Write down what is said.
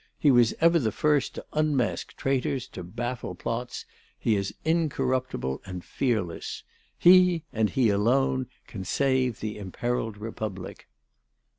He was ever the first to unmask traitors, to baffle plots. He is incorruptible and fearless. He, and he alone, can save the imperilled Republic."